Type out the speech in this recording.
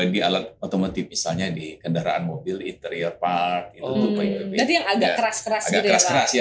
di alat otomotif misalnya di kendaraan mobil interior park itu yang agak keras keras agak keras keras ya